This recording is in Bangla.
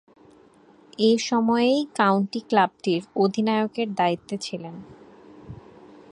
এ সময়েই কাউন্টি ক্লাবটির অধিনায়কের দায়িত্বে ছিলেন।